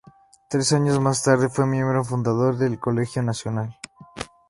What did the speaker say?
Tres años más tarde fue miembro fundador del Colegio Nacional.